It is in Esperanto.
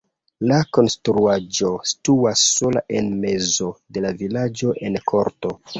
La konstruaĵo situas sola en mezo de la vilaĝo en korto.